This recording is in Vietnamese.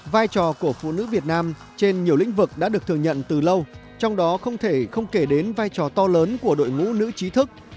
vai trò của phụ nữ việt nam trên nhiều lĩnh vực đã được thừa nhận từ lâu trong đó không thể không kể đến vai trò to lớn của đội ngũ nữ trí thức